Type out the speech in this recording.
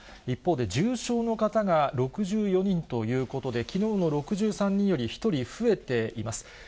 一方で、重症の方が６４人ということで、きのうの６３人より１人増えています。